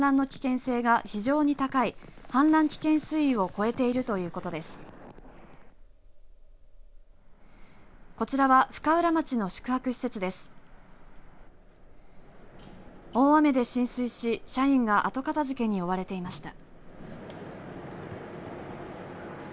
大雨で浸水し社員が後片づけに覆われていました。